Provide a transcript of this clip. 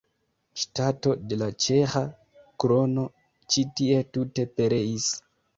Ŝtato de la Ĉeĥa krono ĉi tie tute pereis.